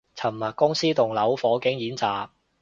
尋日公司棟樓火警演習